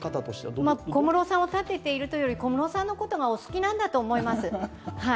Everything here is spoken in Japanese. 小室さんを立てているというよりも小室さんのことがお好きなんだと思います。